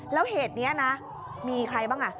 แล้วเหตุนี้นะมีใครบ้างอ่ะ